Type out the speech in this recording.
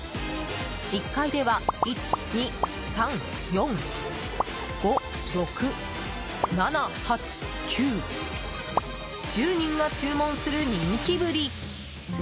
１階では１、２、３、４、５６、７、８、９１０人が注文する人気ぶり。